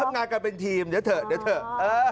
ทำงานกันเป็นทีมเดี๋ยวเถอะเดี๋ยวเถอะ